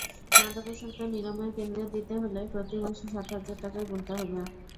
মাদকাসক্ত নিরাময় কেন্দ্রে দিতে হলে প্রতি মাসে সাত হাজার টাকা গুনতে হবে।